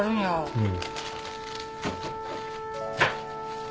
うん。